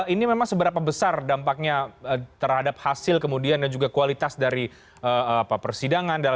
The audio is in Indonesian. ini memang seberapa besar dampaknya terhadap hasil kemudian dan juga kualitas dari persidangan